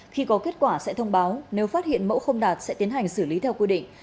khi có kết quả sẽ thông báo nếu phát hiện mẫu không đạt sẽ tiến hành xử lý theo quy định